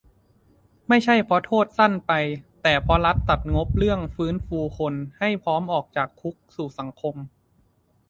ไม่ใช่เพราะโทษสั้นไป แต่เพราะรัฐตัดงบเรื่องฟื้นฟูคนให้พร้อมออกจากคุกสู่สังคม